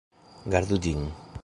Gardu ĝin.